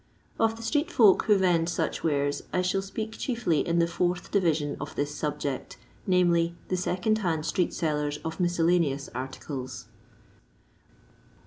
Of the street folk who vend such wares I shall speak chiefly in the fourth division of this subject, viz. the second hand street sellers of miscellaneous articles.